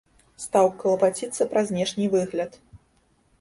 Стаў клапаціцца пра знешні выгляд.